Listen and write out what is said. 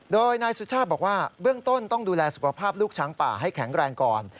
โดยนายสุชาติบอกว่าเบื้องต้นต้องดูแลสุขภาพลูกช้างป่าให้แข็งแรงก่อน